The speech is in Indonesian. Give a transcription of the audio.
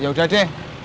ya udah deh